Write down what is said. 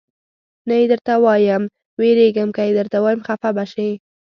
نه یې درته وایم، وېرېږم که یې درته ووایم خفه به شې.